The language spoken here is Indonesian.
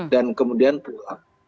dan kemudian pulang